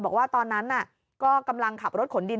บอกว่าตอนนั้นก็กำลังขับรถขนดิน